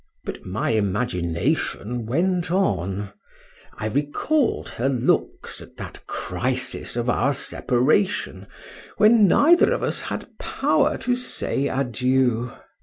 —But my imagination went on,—I recalled her looks at that crisis of our separation, when neither of us had power to say adieu!